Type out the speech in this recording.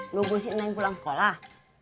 nunggu sih neng pulang sekolah